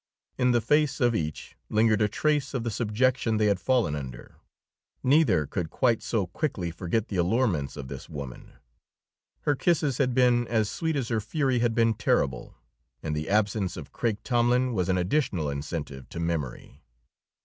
In the face of each lingered a trace of the subjection they had fallen under; neither could quite so quickly forget the allurements of this woman. Her kisses had been as sweet as her fury had been terrible; and the absence of Craik Tomlin was an additional incentive to memory.